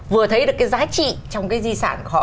vừa thấy được cái giá trị trong cái di sản của họ